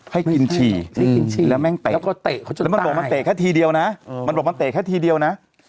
ให้กินฉี่แล้วแม่งเตะแล้วก็เตะเขาจนตายแล้วมันบอกมันเตะแค่ทีเดียวนะ